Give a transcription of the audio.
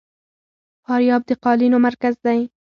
فاریاب د قالینو مرکز دی